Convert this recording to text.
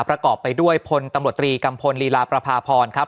ประกอบไปด้วยพลตำรวจตรีกัมพลลีลาประพาพรครับ